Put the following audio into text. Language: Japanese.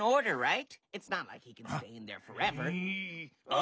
あ？